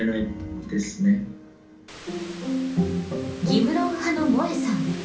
義務論派のもえさん。